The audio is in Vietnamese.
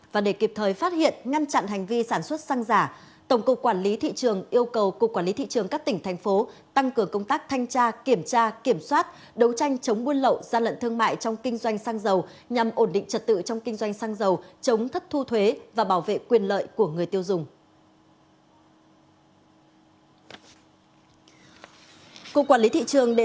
và để kịp thời phát hiện ngăn chặn hành vi sản xuất xăng giả tổng cục quản lý thị trường yêu cầu cục quản lý thị trường các tỉnh thành phố tăng cường công tác thanh tra kiểm tra kiểm soát đấu tranh chống buôn lậu gian lận thương mại trong kinh doanh xăng dầu nhằm ổn định trật tự trong kinh doanh xăng dầu chống thất thu thuế và bảo vệ quyền lợi của người tiêu dùng